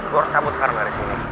gue harus cabut sekarang dari sini